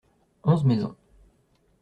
Onze maisons.